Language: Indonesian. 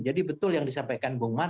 jadi betul yang disampaikan bung martin